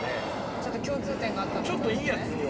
ちょっと共通点があったということですね。